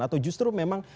atau justru memang